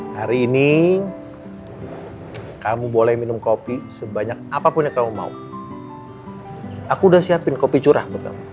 hari ini kamu boleh minum kopi sebanyak apapun yang kamu mau aku udah siapin kopi curah bekam